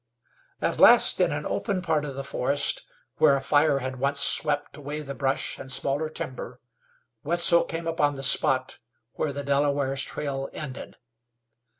At last in an open part of the forest, where a fire had once swept away the brush and smaller timber, Wetzel came upon the spot where the Delaware's trail ended.